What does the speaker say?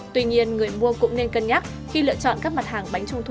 tuy nhiên người mua cũng nên cân nhắc khi lựa chọn bánh trung thu